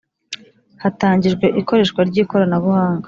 Hatangijwe ikoreshwa ry ikoranabuhanga